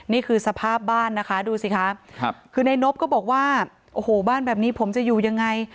นี่คือสภาพบ้านนะคะดูสิคะคือในนบก็บอกว่าโอ้โหบ้านแบบนี้ผมจะอยู่ยังไง